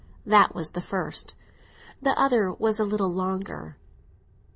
—that was the first; the other was a little longer.